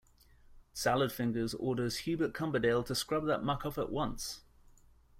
Salad Fingers orders Hubert Cumberdale to scrub that muck off at once!